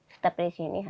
tetap di sini